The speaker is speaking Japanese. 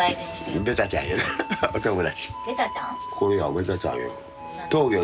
ベタちゃん？